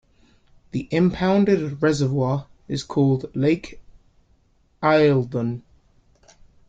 The impounded reservoir is called Lake Eildon.